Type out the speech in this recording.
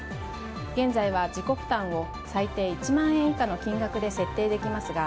現在は自己負担を最低１万円以下の金額で設定できますが